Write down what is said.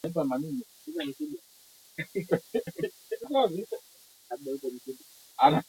kutoka idara ya sayansi ya siasa richard mbunda